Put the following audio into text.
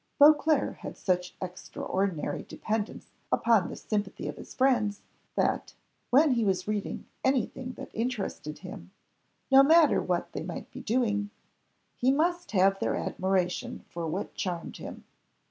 Beauclerc had such extraordinary dependence upon the sympathy of his friends, that, when he was reading any thing that interested him, no matter what they might be doing, he must have their admiration for what charmed him.